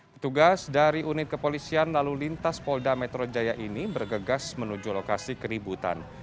petugas dari unit kepolisian lalu lintas polda metro jaya ini bergegas menuju lokasi keributan